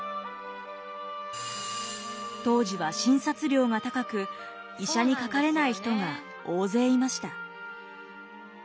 当時は診察料が高く医者にかかれない人が大勢いました。